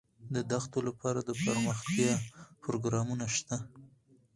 د دښتو لپاره دپرمختیا پروګرامونه شته.